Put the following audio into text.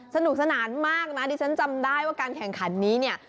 สนุกสนานมากนะดิฉันจำได้ว่าการแข่งขันนี้เนี่ย